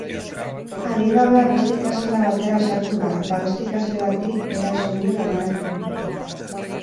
Adingabea beste ikasgela batera sartu da eta beste ikasle bati eraso dio labanarekin.